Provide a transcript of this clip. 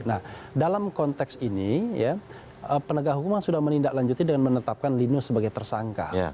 nah dalam konteks ini ya penegak hukum sudah menindaklanjuti dengan menetapkan linus sebagai tersangka